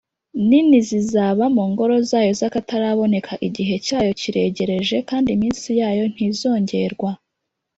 nini zizaba mu ngoro zayo z akataraboneka Igihe cyayo kiregereje kandi iminsi yayo ntizongerwa